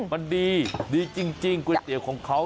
มันดีดีจริงก๋วยเตี๋ยวของเขา